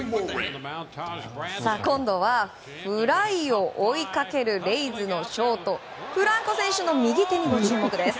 今度は、フライを追いかけるレイズのショートフランコ選手の右手にご注目です。